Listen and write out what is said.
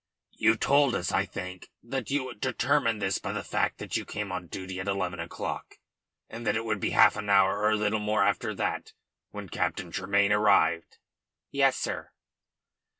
"You told us, I think, that you determined this by the fact that you came on duty at eleven o'clock, and that it would be half an hour or a little more after that when Captain Tremayne arrived?" "Yes, sir."